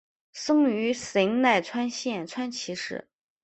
生于神奈川县川崎市。